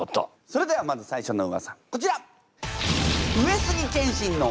それではまず最初のウワサこちら！